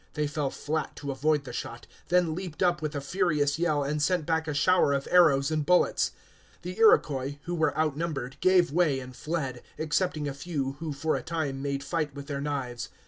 They fell flat to avoid the shot, then leaped up with a furious yell, and sent back a shower of arrows and bullets. The Iroquois, who were outnumbered, gave way and fled, excepting a few who for a time made fight with their knives.